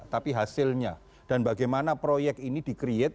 tapi hasilnya dan bagaimana proyek ini di create